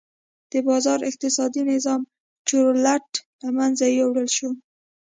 د بازار اقتصادي نظام چورلټ له منځه یووړل شو.